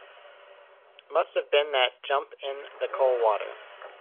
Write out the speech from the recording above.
Must have been that jump in the cold water.